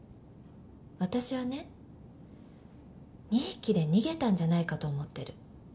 私はね２匹で逃げたんじゃないかと思ってる